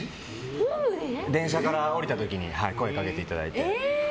電車から降りた時に声掛けていただいて。